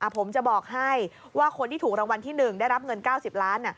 ผมจะบอกให้ว่าคนที่ถูกรางวัลที่๑ได้รับเงิน๙๐ล้าน